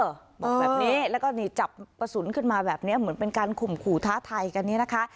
บอกแบบนี้แล้วก็นี่จับกระสุนขึ้นมาแบบนี้เหมือนเป็นการข่มขู่ท้าทายกันเนี่ยนะคะ